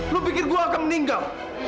lu pikir gue akan meninggal